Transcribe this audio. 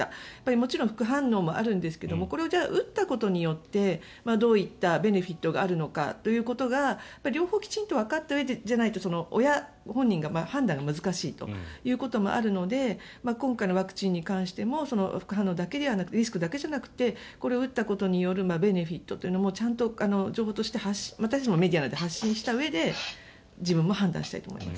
もちろん副反応もあるんですけどもこれを打ったことによってどういったベネフィットがあるのかということが両方きちんとわかったうえでじゃないと親、本人が判断が難しいということもあるので今回のワクチンに関しても副反応だけではなくリスクだけじゃなくてこれを打ったことによるベネフィットというのもちゃんと情報として私たちもメディアなので発信したうえで自分も判断したいと思います。